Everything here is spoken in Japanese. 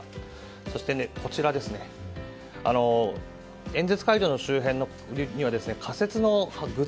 そして演説会場の周辺には仮設のグッズ